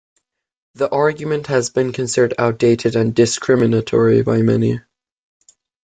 The argument has been considered outdated and discriminatory by many.